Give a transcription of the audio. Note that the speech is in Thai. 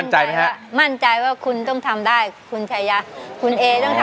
ตัวช่วยละครับเหลือใช้ได้อีกสองแผ่นป้ายในเพลงนี้จะหยุดทำไมสู้อยู่แล้วนะครับ